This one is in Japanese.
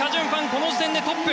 この時点でトップ。